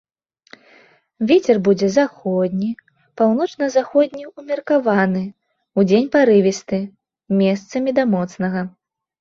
Вецер будзе заходні, паўночна-заходні ўмеркаваны, удзень парывісты, месцамі да моцнага.